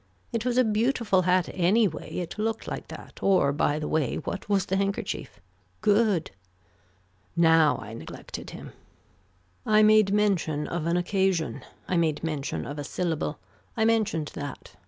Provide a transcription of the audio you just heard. It was a beautiful hat anyway it looked like that or by the way what was the handkerchief. Good. Now I neglected him. I made mention of an occasion. I made mention of a syllable. I mentioned that.